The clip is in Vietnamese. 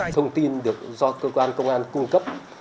thông tin được do cơ quan công an cung cấp